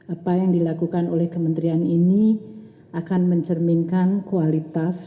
apa yang dilakukan oleh kementerian ini akan mencerminkan kualitas